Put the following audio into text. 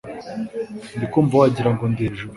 ndi kunva wagira ngo ndi hejuru